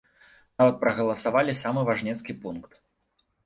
Нават прагаласавалі самы важнецкі пункт.